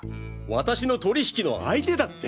私の取引の相手だって。